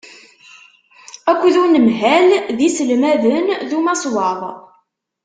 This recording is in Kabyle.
Akked unemhal d yiselmaden d umaswaḍ.